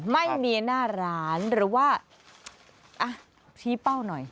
ไม่มีหน้าร้านหรือว่าอ่ะชี้เป้าหน่อย